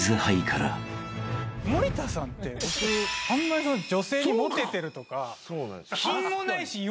森田さんってあんまり女性にモテてるとか。